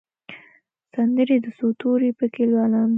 سندرې د څو تورو پکښې لولم